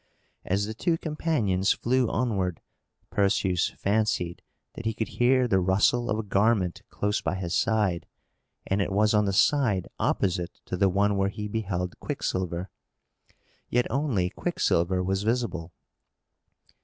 As the two companions flew onward, Perseus fancied that he could hear the rustle of a garment close by his side; and it was on the side opposite to the one where he beheld Quicksilver, yet only Quicksilver was visible.